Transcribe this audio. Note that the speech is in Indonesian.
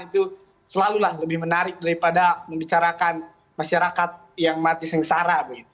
itu selalulah lebih menarik daripada membicarakan masyarakat yang mati sengsara